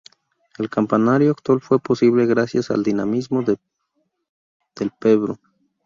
El campanario actual fue posible gracias al dinamismo del Pbro.